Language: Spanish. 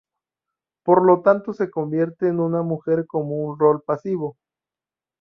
Por lo tanto se convierte en una mujer con un rol pasivo.